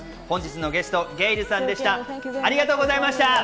本日のゲスト、ゲイルさんでした。